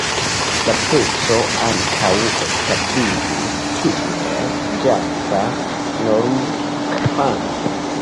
La peco ankaŭ establiĝis kiel ĵaza normkanto.